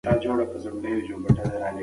د ښځو لپاره کاري فرصتونه زیات شول.